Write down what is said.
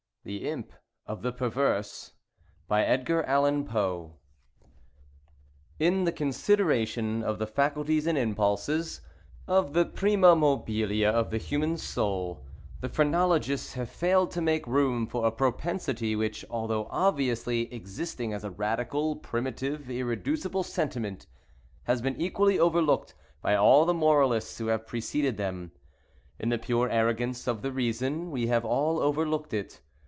THE IMP OF THE PERVERSE In the consideration of the faculties and impulses—of the prima mobilia of the human soul, the phrenologists have failed to make room for a propensity which, although obviously existing as a radical, primitive, irreducible sentiment, has been equally overlooked by all the moralists who have preceded them. In the pure arrogance of the reason, we have all overlooked it.